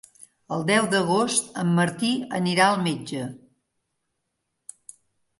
El deu d'agost en Martí anirà al metge.